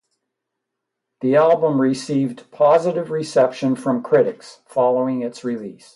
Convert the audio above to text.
The album received positive reception from critics following its release.